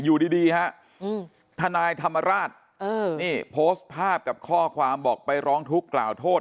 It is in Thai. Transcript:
อยู่ดีฮะทนายธรรมราชนี่โพสต์ภาพกับข้อความบอกไปร้องทุกข์กล่าวโทษ